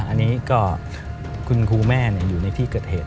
อันนี้ก็คุณครูแม่อยู่ในที่เกิดเหตุ